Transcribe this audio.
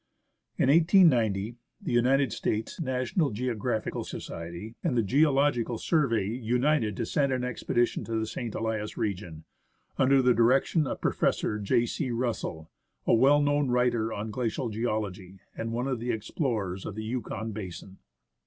In 1890, the United States' "National Geographical Society" and the " Geological Survey " united to send an expedition to the St. Elias region, under the direction of Professor J. C. Russell, a well known writer on glacial geology, and one of the explorers of the Yukon basin.